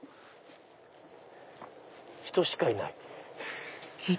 人しかいない。